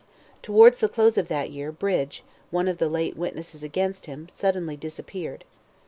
Towards the close of that year, Bridge, one of the late witnesses against him, suddenly disappeared.